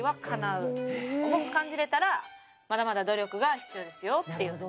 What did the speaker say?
重く感じられたらまだまだ努力が必要ですよと。